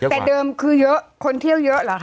แต่เดิมคือเยอะคนเที่ยวเยอะเหรอค